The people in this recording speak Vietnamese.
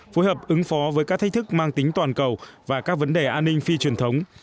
phối hợp ứng phó với các thách thức mang tính toàn cầu và các vấn đề an ninh phi truyền thống